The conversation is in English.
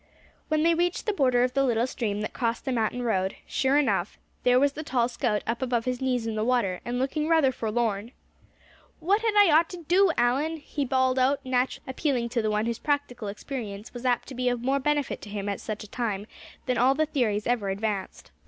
When they reached the border of the little stream that crossed the mountain road, sure enough, there was the tall scout up above his knees in the water, and looking rather forlorn. "What had I ought to do, Allan?" he bawled out, naturally appealing to the one whose practical experience was apt to be of more benefit to him at such a time than all the theories ever advanced.